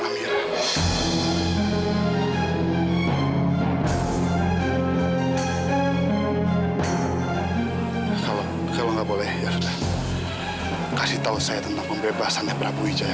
kamu tuh gak ada hubungan apa apa dengan prabu wijaya